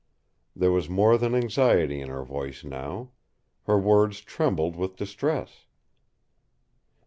There was more than anxiety in her voice now. Her words trembled with distress.